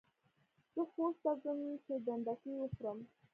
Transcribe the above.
زه خوست ته ځم چي ډنډکۍ وخورم.